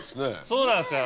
そうなんですよ